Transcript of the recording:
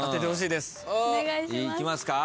いきますか？